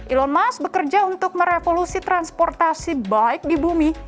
elon musk bekerja untuk merevolusi transportasi baik di bumi